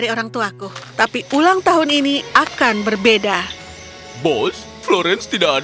itu suara anak kecil